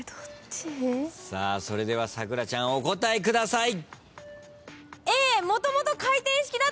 それでは咲楽ちゃんお答えください。